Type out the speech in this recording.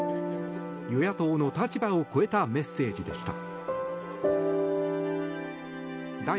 与野党の立場を超えたメッセージでした。